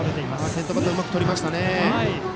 先頭バッターうまくとりましたね。